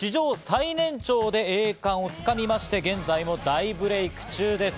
史上最年長で栄冠を掴みまして、現在も大ブレイク中です。